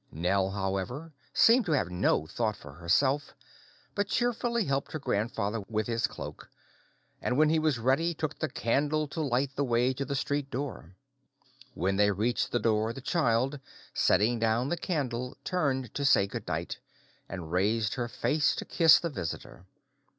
Nell, however, seemed to have no thought for herself, but cheerfully helped her grandfather with his cloak, and when he was ready, took a candle to light the way to the street door. When they reached the door, the child, setting down the candle, turned to say good night, and raised her face to kiss the visitor.